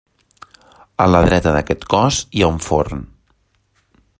A la dreta d'aquest cos hi ha un forn.